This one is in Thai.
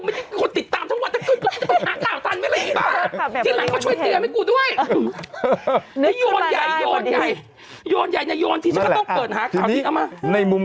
ไม่ได้คนติดตามทั่ววันหาข่าวทันไม่อะไรบ้า